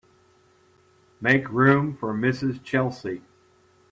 Make room for Mrs. Chelsea.